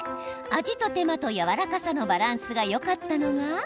味と手間とやわらかさのバランスがよかったのが。